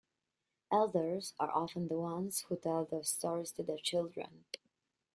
Elders are often the ones who tell these stories to the children.